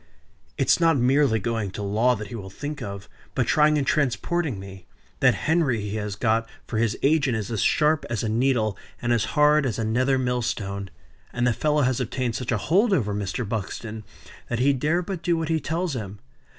"It's not merely going to law that he will think of, but trying and transporting me. That Henry he has got for his agent is as sharp as a needle, and as hard as a nether mill stone. And the fellow has obtained such a hold over Mr. Buxton, that he dare but do what he tells him.